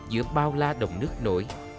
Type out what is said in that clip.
giữa bao la đồng nước nổi